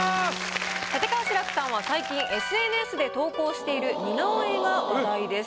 立川志らくさんは最近ＳＮＳで投稿している似顔絵が話題です。